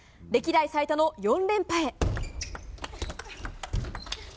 歴代最多の４連覇へ。